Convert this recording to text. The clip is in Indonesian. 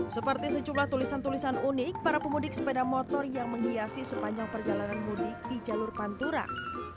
seperti sejumlah tulisan tulisan unik para pemudik sepeda motor yang menghiasi sepanjang perjalanan mudik di jalur pantura